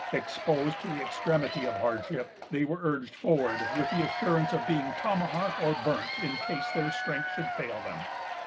Exposed to the extremity of hardship, they were urged forward with the assurance of being tomahawked or burnt in case their strength should fail them.